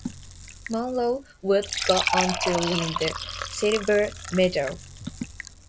Munro would go on to win the silver medal.